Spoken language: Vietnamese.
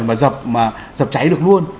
mà dập cháy được luôn